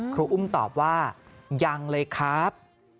ครูอุ้มตอบว่ายังเลยครับ